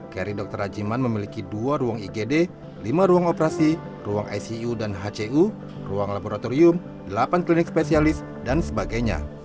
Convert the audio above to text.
kri dr rajiman memiliki dua ruang igd lima ruang operasi ruang icu dan hcu ruang laboratorium delapan klinik spesialis dan sebagainya